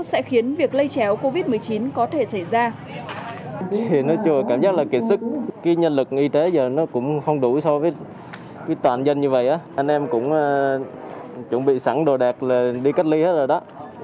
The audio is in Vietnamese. sẽ khiến việc lây chéo covid một mươi chín có thể xảy ra